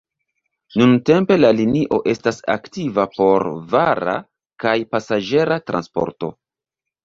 Nuntempe la linio estas aktiva por vara kaj pasaĝera transporto.